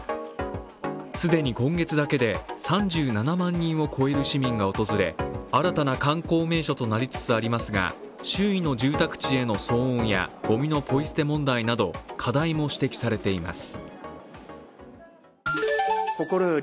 既に今月だけで３７万人を超える市民が訪れ、新たな観光名所となりつつありますが、周囲の住宅地への騒音やごみのポイ捨て問題など課題も指摘されています。